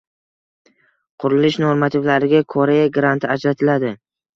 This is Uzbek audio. Qurilish normativlariga Koreya granti ajratiladi